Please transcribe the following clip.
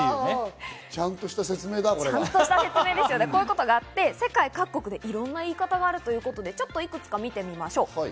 ちゃんとしこういうことがあって世界各国でいろんな言い方があるということで、いくつか見てみましょう。